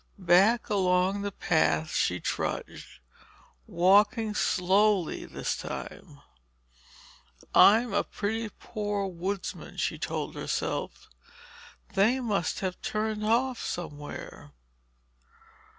Back along the path she trudged, walking slowly this time. "I'm a pretty poor woodsman," she told herself. "They must have turned off somewhere."